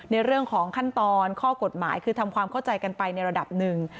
ในเรื่องของขั้นตอนข้อกฎหมายคือทำความเข้าใจกันไปในระดับหนึ่ง